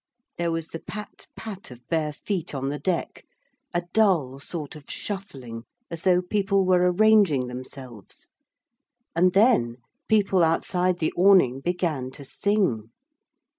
There was the pat pat of bare feet on the deck, a dull sort of shuffling as though people were arranging themselves. And then people outside the awning began to sing.